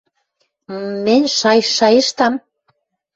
— М-мӹнь шай-шайыштам?!